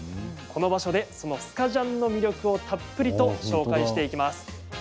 この場所でそのスカジャンの魅力をたっぷりと紹介していきます。